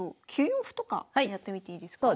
９四歩とかやってみていいですか？